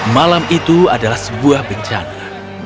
malam itu adalah sebuah bencana